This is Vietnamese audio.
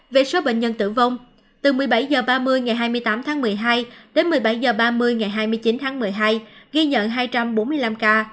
về số bệnh nhân tử vong từ một mươi bảy h ba mươi ngày hai mươi tám tháng một mươi hai đến một mươi bảy h ba mươi ngày hai mươi chín tháng một mươi hai ghi nhận hai trăm bốn mươi năm ca